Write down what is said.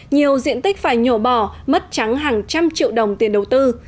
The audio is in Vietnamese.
nhiều diện tích phải nhổ bỏ mất trắng hàng trăm triệu đồng tiền đầu tư